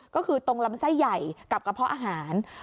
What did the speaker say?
ก็คือตรงลำไส้ใหญ่กับกระเพาะอาหาร